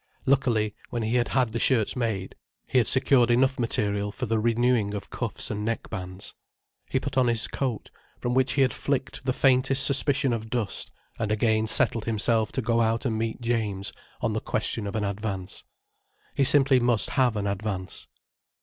Luckily, when he had had the shirts made he had secured enough material for the renewing of cuffs and neckbands. He put on his coat, from which he had flicked the faintest suspicion of dust, and again settled himself to go out and meet James on the question of an advance. He simply must have an advance.